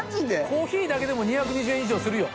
コーヒーだけでも２２０円以上するよ。